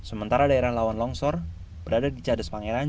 sementara daerah lawan longsor berada di cadas pangeran